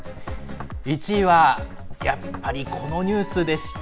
１位はやっぱりこのニュースでした。